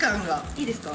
いいですか？